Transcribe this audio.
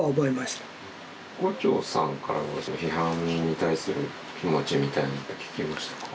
牛腸さんからはその批判に対する気持ちみたいなのって聞きましたか？